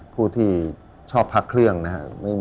ผู้ที่ชอบพักเครื่องนะครับ